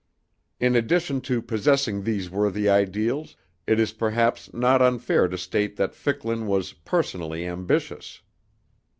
In addition to possessing these worthy ideals, it is perhaps not unfair to state that Ficklin was personally ambitious.